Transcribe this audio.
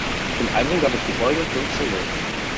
Zum Album gab es die folgenden fünf Singles.